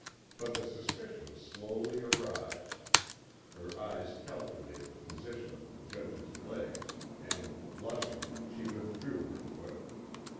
But the suspicion slowly arrived. Her eyes calculated the position of the judge's legs and, blushing, she withdrew her foot.